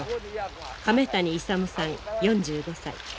亀谷勇さん４５歳。